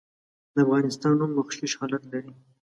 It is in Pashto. د افغانستان نوم مغشوش حالت لري.